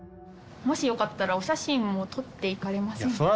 もしよかったらお写真も撮っていかれませんか？